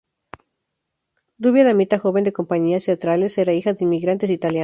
Rubia damita joven de compañías teatrales, era hija de inmigrantes italianos.